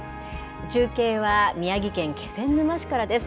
中継は宮城県気仙沼市からです。